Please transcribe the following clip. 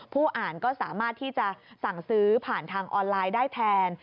อ่านก็สามารถที่จะสั่งซื้อผ่านทางออนไลน์ได้แทน